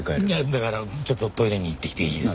だからちょっとトイレに行ってきていいですか？